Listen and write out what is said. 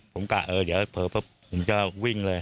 ผมกลับเดี๋ยวเผลอผมจะวิ่งเลย